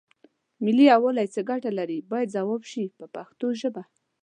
ملي یووالی څه ګټې لري باید ځواب شي په پښتو ژبه.